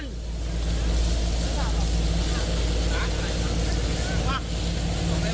นะฮะรู้หรือเปล่า